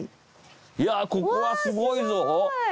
いやここはすごいぞ！